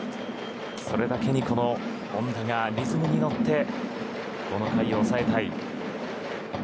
それだけにこの本田がリズムにのってこの回を抑えたい。